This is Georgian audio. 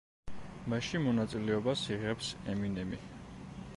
მასში მონაწილეობას იღებს ემინემი.